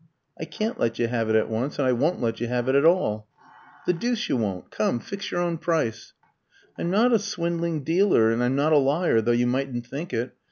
"I can't let you have it at once, and I won't let you have it at all." "The deuce you won't! Come, fix your own price." "I'm not a swindling dealer, and I'm not a liar, though you mightn't think it.